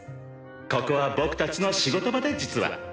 ここは僕たちの仕事場で実は。